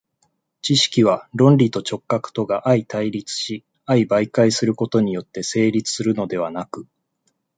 知識は論理と直覚とが相対立し相媒介することによって成立するのではなく、